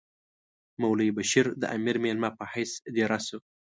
مولوی بشیر د امیر مېلمه په حیث دېره شو.